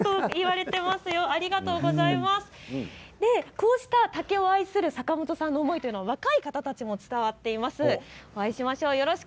こうした竹を愛する坂元さんの思いは若い方たちにも伝わっています。